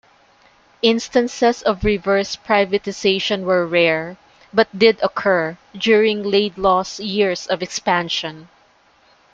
Instances of reverse privatization were rare, but did occur during Laidlaw's years of expansion.